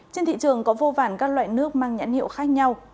trên thị trường có vô vản các loại nước mang nhãn hiệu khác nhau